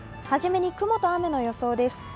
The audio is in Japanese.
初めに雲と雨の予想です。